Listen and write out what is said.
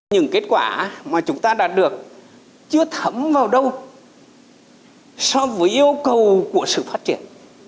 những kết quả mà chúng ta đã được chưa thấm vào đâu so với yêu cầu của sự phát triển